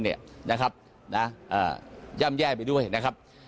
นะครับย่ำแย่ไปด้วยนะครับ